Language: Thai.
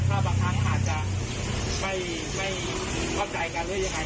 ถ้าบางครั้งอาจจะไม่เข้าใจกัน